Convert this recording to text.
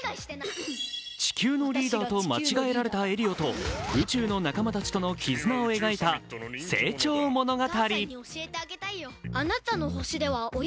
地球のリーダーと間違えられたエリオと宇宙の仲間たちとの絆を描いた成長物語。